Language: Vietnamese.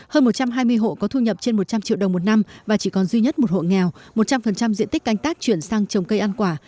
hơn một trăm hai mươi hộ có thu nhập trên một trăm linh triệu đồng một năm và chỉ còn duy nhất một hộ nghèo một trăm linh diện tích canh tác chuyển sang trồng cây ăn quả